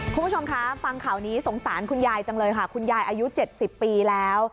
คุณผู้ชมคะฟังข่าวนี้สงสารคุณยายจังเลยค่ะคุณยายอายุ๗๐ปีแล้ว